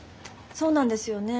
そうなんですよね。